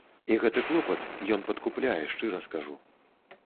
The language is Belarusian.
І гэты клопат ён падкупляе, шчыра скажу.